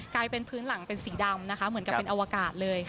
กลายเป็นพื้นหลังเป็นสีดำนะคะเหมือนกับเป็นอวกาศเลยค่ะ